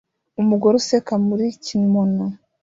Umugore useka muri kimono